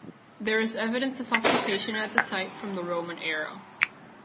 There is evidence of occupation at the site from the Roman era.